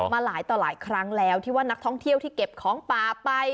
มาหลายต่อหลายครั้งแล้วที่ว่านักท่องเที่ยวที่เก็บของป่าไป